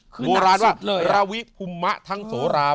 โบราณว่าราวิภุมมะทั้งโสรา